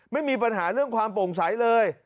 ไม่มีปัญหาเรื่องความโปร่งใสเลย